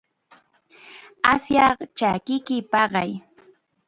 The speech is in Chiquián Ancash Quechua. Asyaq chakiyki paqay.